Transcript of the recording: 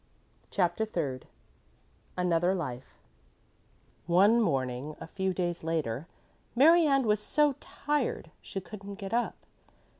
CHAPTER THIRD ANOTHER LIFE One morning, a few days later, Mary Ann was so tired she couldn't get up.